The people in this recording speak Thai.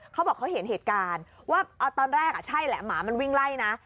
เขาบอกเขาเห็นเหตุการณ์ว่าตอนแรกใช่แหละหมามันวิ่งไล่นะ